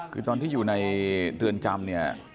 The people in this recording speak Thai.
คือตอนที่อยู่ในเรือนจำเนี่ย